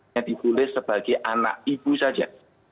yang ditulis sebagai anak ibu saja